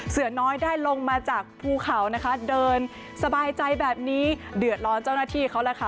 เสือน้อยได้ลงมาจากภูเขานะคะเดินสบายใจแบบนี้เดือดร้อนเจ้าหน้าที่เขาแหละค่ะ